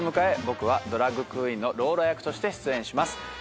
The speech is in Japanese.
僕はドラァグクイーンのローラ役として出演します。